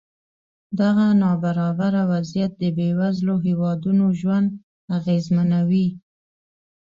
دغه نابرابره وضعیت د بېوزلو هېوادونو ژوند اغېزمنوي.